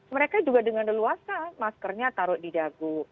mereka juga dengan leluasa maskernya taruh didagu